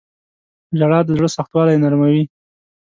• ژړا د زړه سختوالی نرموي.